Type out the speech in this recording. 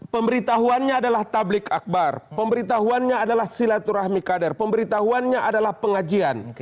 pemberitahuannya adalah tablik akbar pemberitahuannya adalah silaturahmi kader pemberitahuannya adalah pengajian